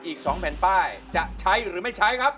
อีก๒แผ่นป้ายจะใช้หรือไม่ใช้ครับ